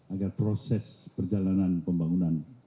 agar proses perjalanan pembangunan